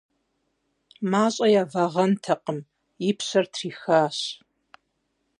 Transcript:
МащӀэ явагъэнтэкъым - и пщэр трихащ.